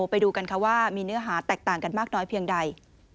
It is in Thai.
ไปดูกันค่ะว่ามีเนื้อหาแตกต่างกันมากน้อยเพียงใด